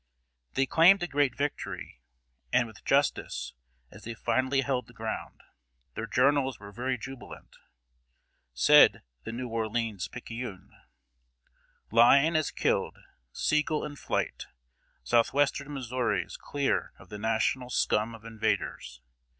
They claimed a great victory, and with justice, as they finally held the ground. Their journals were very jubilant. Said The New Orleans Picayune: "Lyon is killed, Sigel in flight; southwestern Missouri is clear of the National scum of invaders.